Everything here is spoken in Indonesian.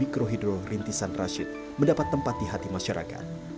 mikrohidro rintisan rashid mendapat tempat di hati masyarakat